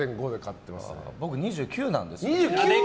僕、２９なんです。